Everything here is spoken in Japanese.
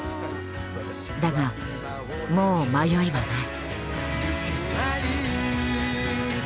だがもう迷いはない。